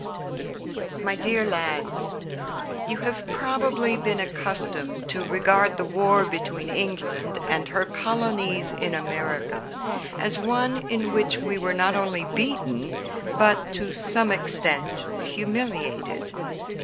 MY DEAR LADS: You have probably been accustomed to regard the war between England and her colonies in America as one in which we were not only beaten but, to some extent, humiliated.